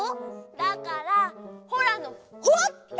だから「ほら」の「ほ」ってところよ。